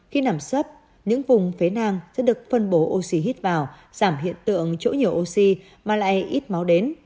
khi nằm sấp những vùng phế nang sẽ được phân bổ oxy hít vào giảm hiện tượng chỗ nhiều oxy mà lại ít máu đến